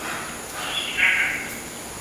離離落落